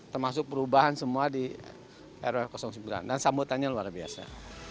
termasuk perubahan semua di rw sembilan dan sambutannya luar biasa